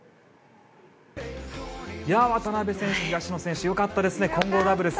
渡辺選手、東野選手良かったですね、混合ダブルス。